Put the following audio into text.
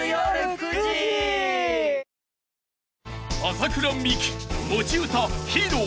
［麻倉未稀持ち歌『ヒーロー』